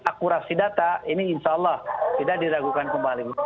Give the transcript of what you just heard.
akurasi data ini insya allah tidak diragukan kembali